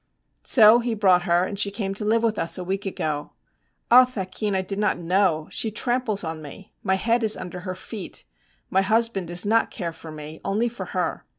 So he brought her, and she came to live with us a week ago. Ah, thakin, I did not know! She tramples on me. My head is under her feet. My husband does not care for me, only for her.